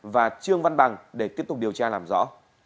và trương văn bằng để tiếp tục điều tra làm rõ